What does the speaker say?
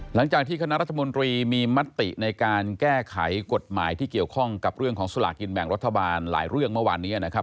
หลังจากที่คณะรัฐมนตรีมีมติในการแก้ไขกฎหมายที่เกี่ยวข้องกับเรื่องของสลากินแบ่งรัฐบาลหลายเรื่องเมื่อวานนี้นะครับ